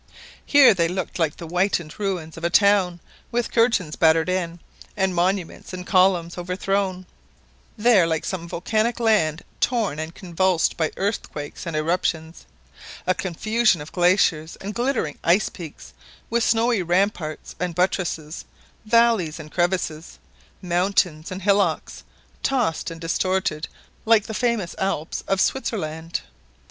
Here they looked like the whitened ruins of a town with curtains battered in, and monuments and columns overthrown; there like some volcanic land torn and convulsed by earthquakes and eruptions; a confusion of glaciers and glittering ice peaks with snowy ramparts and buttresses, valleys, and crevasses, mountains and hillocks, tossed and distorted like the famous Alps of Switzerland.